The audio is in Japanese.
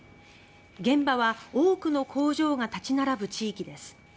現場は多くの工場が立ち並ぶ地域です。